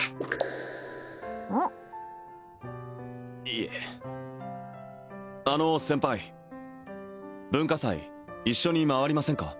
いえあの先輩文化祭一緒に回りませんか？